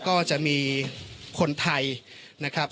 ก็จะมีคนไทยนะครับ